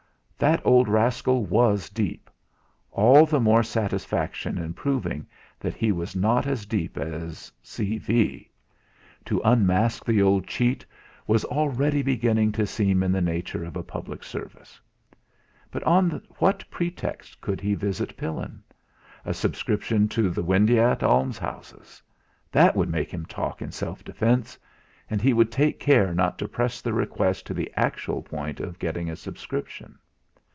That old rascal was deep all the more satisfaction in proving that he was not as deep as C. V. To unmask the old cheat was already beginning to seem in the nature of a public service. But on what pretext could he visit Pillin? A subscription to the Windeatt almshouses! That would make him talk in self defence and he would take care not to press the request to the actual point of getting a subscription.